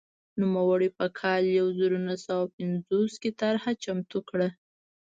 نوموړي په کال یو زر نهه سوه پنځوس کې طرحه چمتو کړه.